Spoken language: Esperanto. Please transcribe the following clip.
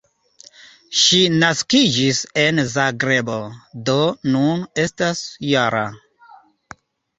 Ŝi naskiĝis en Zagrebo, do nun estas -jara.